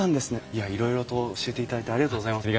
いやいろいろと教えていただいてありがとうございます。